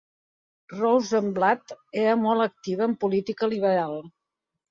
Rosenblatt era molt activa en política liberal.